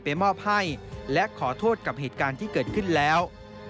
มอบให้และขอโทษกับเหตุการณ์ที่เกิดขึ้นแล้ว